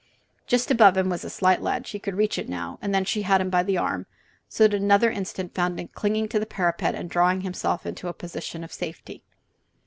Just above was a slight ledge; he could reach it now; and then she had him by the arm, so that another instant found him clinging to the parapet and drawing himself into a position of safety.